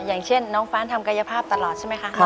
อย่างเช่นน้องฟ้านทำกายภาพตลอดใช่ไหมคะ